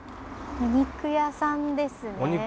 お肉屋さんですね。